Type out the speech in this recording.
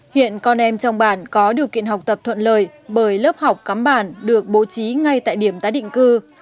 hiện con em trong bản có điều kiện học tập thuận lợi bởi lớp học cắm bản được bố trí ngay tại điểm tái định cư